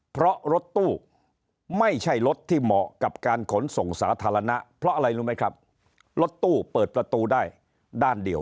เพราะรถตู้ไม่ใช่รถที่เหมาะกับการขนส่งสาธารณะเพราะอะไรรู้ไหมครับรถตู้เปิดประตูได้ด้านเดียว